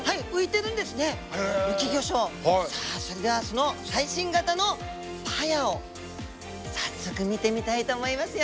さあそれではその最新型のパヤオ早速見てみたいと思いますよ。